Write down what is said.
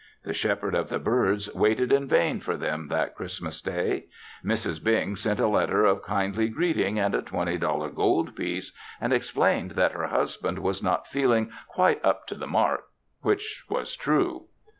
The Shepherd of the Birds waited in vain for them that Christmas Day. Mrs. Bing sent a letter of kindly greeting and a twenty dollar gold piece and explained that her husband was not feeling "quite up to the mark," which was true.